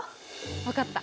わかった。